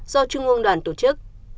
do trung ương đoàn tổ chức